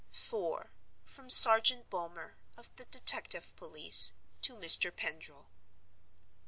IV. From Sergeant Bulmer (of the Detective Police) to Mr. Pendril.